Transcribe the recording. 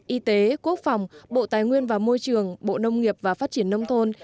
y tế quốc phòng bộ tài nguyên và môi trường bộ nông nghiệp và phát triển nông thôn